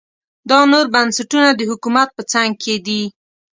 دا نور بنسټونه د حکومت په څنګ دي.